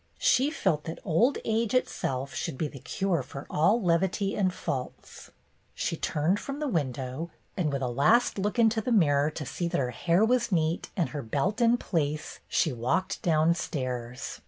She felt that old age itself should be the cure for all levity and faults. She turned from the window, and with a last look into the mirror to see that her hair was neat and her belt in place, she walked down stairs.